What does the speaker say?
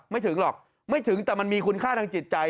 ไม่ถึงหรอกไม่ถึงแต่มันมีคุณค่าทางจิตใจ